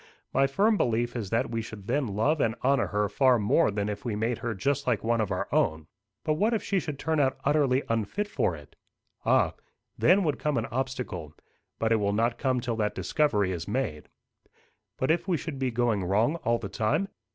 My firm belief is that we should then love and honour her far more than if we made her just like one of our own." "But what if she should turn out utterly unfit for it?" "Ah! then would come an obstacle. But it will not come till that discovery is made." "But if we should be going wrong all the time?"